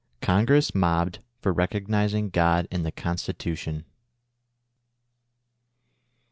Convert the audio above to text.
CONGRESS MOBBED FOR RECOGNIZING GOD IN THE CONSTITUTION.